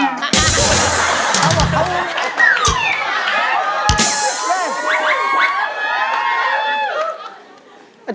แม่